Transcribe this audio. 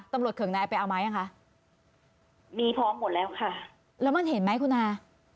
เขื่องนายไปเอาไหมยังคะมีพร้อมหมดแล้วค่ะแล้วมันเห็นไหมคุณอา